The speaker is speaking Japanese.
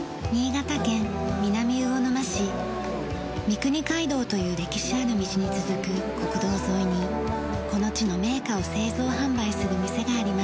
三国街道という歴史ある道に続く国道沿いにこの地の銘菓を製造販売する店がありました。